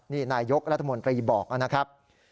นี่นายยกรัฐมนตรีบอกนะครับ